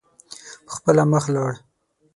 په خپله مخ لاړ.